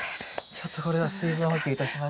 ちょっとこれは水分補給いたしましょう。